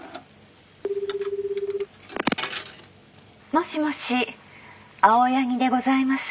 ☎☎もしもし青柳でございます。